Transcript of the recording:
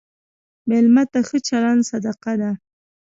مېلمه ته ښه چلند صدقه ده.